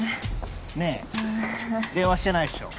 ねえ電話してないっしょ？